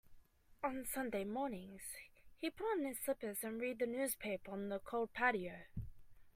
On Sunday mornings, he puts on his slippers and reads the newspaper on the cold patio.